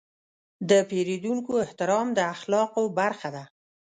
د پیرودونکو احترام د اخلاقو برخه ده.